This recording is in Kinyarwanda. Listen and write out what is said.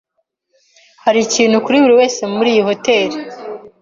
Hari ikintu kuri buri wese muri iyi hoteri.